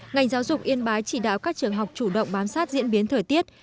ngành giáo dục yên bái chỉ đạo các trường học chủ động bám sát diễn biến thời tiết